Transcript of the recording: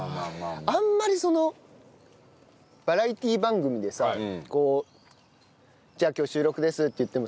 あんまりバラエティー番組でさ「じゃあ今日収録です」っていってもさ